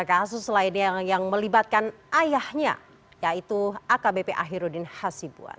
kasus lainnya yang melibatkan ayahnya yaitu akbp ahirudin hasibuan